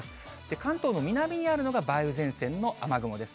関東の南にあるのが梅雨前線の雨雲です。